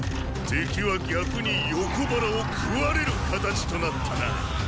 敵は逆に横腹を喰われる形となったな。